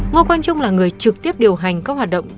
ngô quang trung là người trực tiếp điều hành các hoạt động